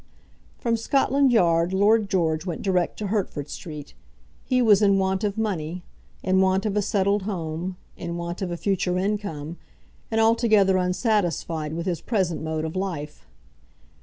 From Scotland Yard Lord George went direct to Hertford Street. He was in want of money, in want of a settled home, in want of a future income, and altogether unsatisfied with his present mode of life.